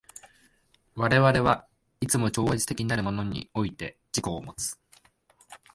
我々はいつも超越的なるものにおいて自己をもつ。